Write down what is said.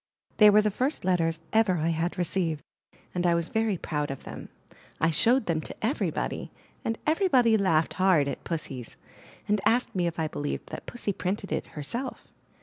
They were the first letters I ever had received, and I was very proud of them. I showed them to everybody, and everybody laughed hard at Pussy's, and asked me if I believed that Pussy printed it herself.